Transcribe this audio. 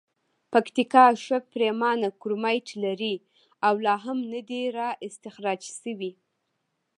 پکتیکا ښه پریمانه کرومایټ لري او لا هم ندي را اختسراج شوي.